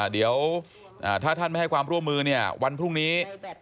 เดี๋ยวถ้าท่านไม่ให้ความร่วมมือวันพรุ่งนี้